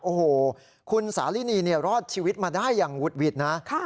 โอ้โหคุณสาลินีรอดชีวิตมาได้อย่างวุดวิดนะ